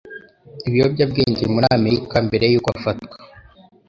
ibiyobyabwenge muri Amerika mbere yuko afatwa